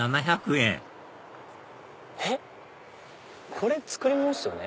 これ作り物っすよね？